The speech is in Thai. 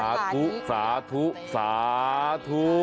ธุสาธุสาธุ